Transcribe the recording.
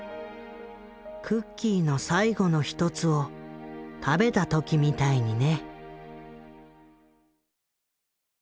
「クッキーの最後の１つを食べた時みたいにね」。